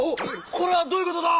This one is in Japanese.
これはどういうことだ